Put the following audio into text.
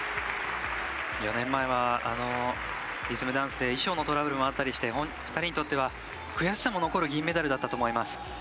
４年前はリズムダンスで衣装のトラブルもあったりして２人にとっては悔しさも残る銀メダルだったと思います。